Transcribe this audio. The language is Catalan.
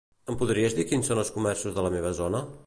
Em podries dir quins són els comerços de la meva zona?